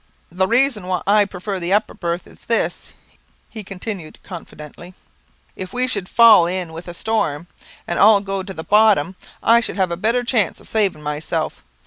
The reason why I prefer the upper berth is this," he continued confidentially; "if we should fall in with a storm, and all go to the bottom, I should have a better chance of saving myself.